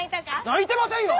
泣いてませんよ！